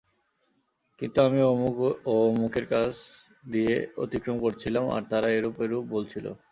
কিন্তু আমি অমুক ও অমুকের কাছ দিয়ে অতিক্রম করছিলাম আর তারা এরূপ এরূপ বলছিল।